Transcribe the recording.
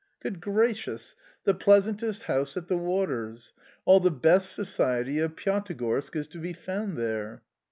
"Good gracious! The pleasantest house at the waters! All the best society of Pyatigorsk is to be found there"...